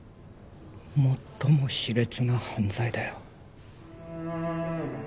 最も卑劣な犯罪だよ